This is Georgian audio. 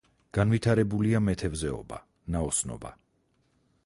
განვითარებულია მეთევზეობა, ნაოსნობა.